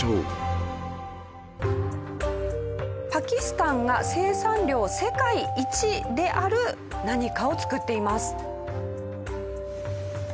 パキスタンが生産量世界一である何かを作っています。